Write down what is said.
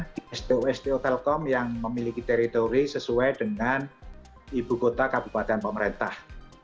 di sto stu telkom yang memiliki teritori sesuai dengan ibu kota kabupaten pemerintah